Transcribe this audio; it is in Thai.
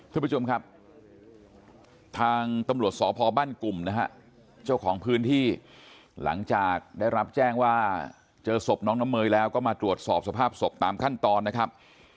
ทุกผู้ชมครับทางตำรวจสพบ้านกลุ่มนะฮะเจ้าของพื้นที่หลังจากได้รับแจ้งว่าเจอศพน้องน้ำเมยแล้วก็มาตรวจสอบสภาพศพตามขั้นตอนนะครับ